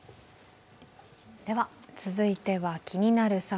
続いては「気になる！